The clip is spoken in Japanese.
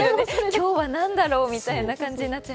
今日は何だろう？みたいな感じになっちゃう。